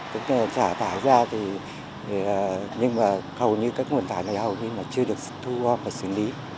các nhà trả thải ra thì nhưng mà hầu như các nguồn thải này hầu như chưa được thu hoa và xử lý